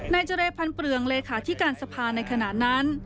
นายเจเรพันเปลืองเลขาที่การสภาในขณะนั้น